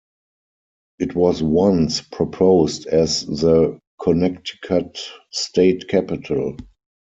It was once proposed as the Connecticut state capital.